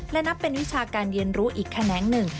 และนับเป็นวิชาการเรียนรู้อีกแขนงหนึ่ง